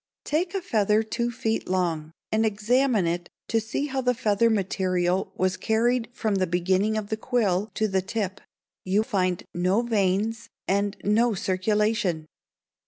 Take a feather two feet long, and examine it to see how the feather material was carried from the beginning of the quill to the tip. You find no veins and no circulation.